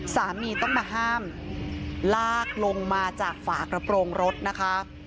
สามีต้องมาห้ามลากลงมาจากฝากระโปรงรถนะคะ